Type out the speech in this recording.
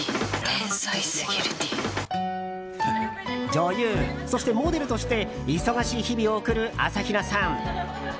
女優、そしてモデルとして忙しい日々を送る朝比奈さん。